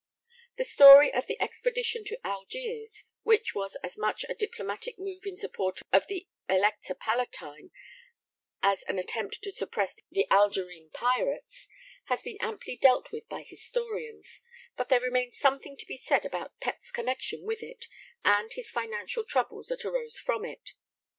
[Sidenote: The Algiers Expedition.] The story of the Expedition to Algiers, which was as much a diplomatic move in support of the Elector Palatine as an attempt to suppress the Algerine pirates, has been amply dealt with by historians, but there remains something to be said about Pett's connection with it, and his financial troubles that arose from it.